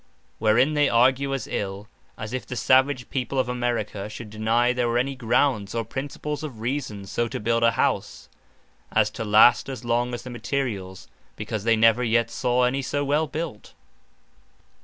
Wherein they argue as ill, as if the Savage people of America, should deny there were any grounds, or Principles of Reason, so to build a house, as to last as long as the materials, because they never yet saw any so well built.